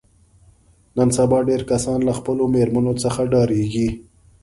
نن سبا ډېری کسان له خپلو مېرمنو څخه ډارېږي.